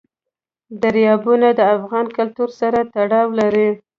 دریابونه د افغان کلتور سره تړاو لري.